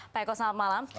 pak eko selamat malam